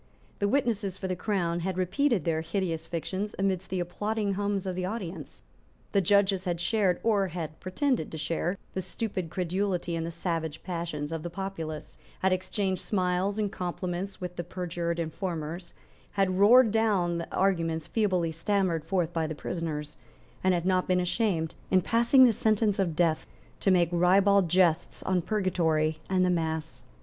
The witnesses for the Crown had repeated their hideous fictions amidst the applauding hums of the audience. The judges had shared, or had pretended to share, the stupid credulity and the savage passions of the populace, had exchanged smiles and compliments with the perjured informers, had roared down the arguments feebly stammered forth by the prisoners, and had not been ashamed, in passing the sentence of death, to make ribald jests on purgatory and the mass.